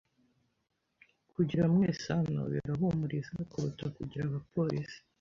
Kugira mwese hano birahumuriza kuruta kugira abapolisi